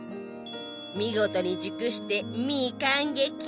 見事に熟してミー感激。